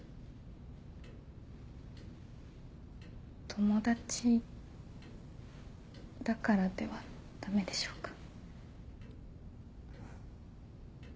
友達だからではダメでしょうか。